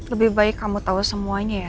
lebih baik kamu tahu semuanya ya